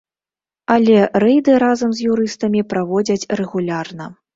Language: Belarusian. Але рэйды разам з юрыстамі праводзяць рэгулярна.